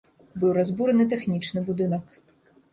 Быў разбураны тэхнічны будынак.